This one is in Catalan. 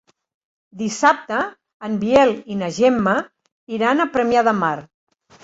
Dissabte en Biel i na Gemma iran a Premià de Mar.